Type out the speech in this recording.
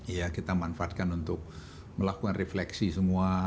iya kita manfaatkan untuk melakukan refleksi semua